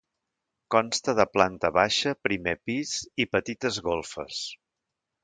Consta de planta baixa, primer pis i petites golfes.